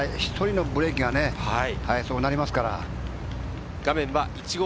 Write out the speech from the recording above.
１人のブレーキがそうなりますから。